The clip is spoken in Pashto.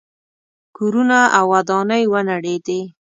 کورونه او ودانۍ ونړېدې.